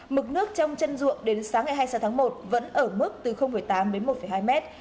mực nước trong chân ruộng đến sáng ngày hai mươi sáu tháng một vẫn ở mức từ tám đến một hai mét